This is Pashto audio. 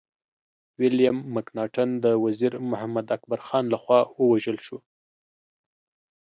ويليم مکناټن د وزير محمد اکبر خان لخوا ووژل شو.